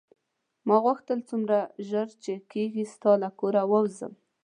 ما غوښتل څومره ژر چې کېږي ستا له کوره ووځم.